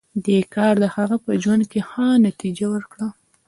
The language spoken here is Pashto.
دې کار د هغه په ژوند کې ښه نتېجه ورکړه